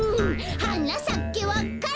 「はなさけわか蘭」